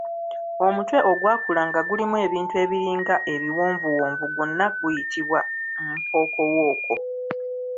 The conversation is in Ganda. Omutwe ogwakula nga gulimu ebintu ebiringa ebiwonvuwonvu gwonna guyitibwa mpookowooko.